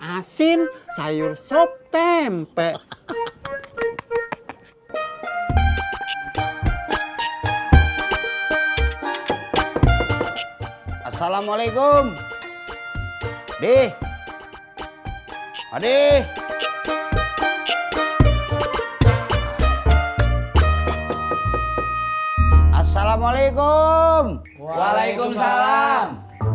assalamualaikum deh hadiah assalamualaikum waalaikumsalam